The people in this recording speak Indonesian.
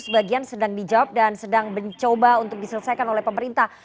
sebagian sedang dijawab dan sebagian direspon oleh pemerintah